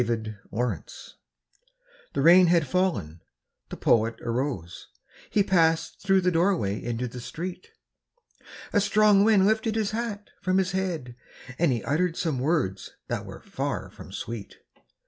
THE POET'S HAT The rain had fallen, the Poet arose, He passed through the doorway into the street, A strong wind lifted his hat from his head, And he uttered some words that were far from sweet.